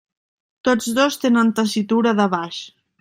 Tots dos tenen tessitura de baix.